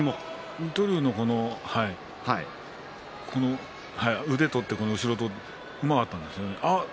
水戸龍の腕を取って後ろを取ってうまかったんですよ。